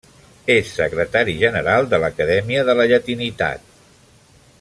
És secretari general de l’Acadèmia de la Llatinitat.